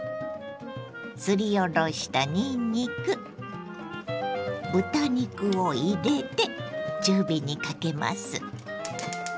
すりおろしたにんにく豚肉を入れて中火にかけます。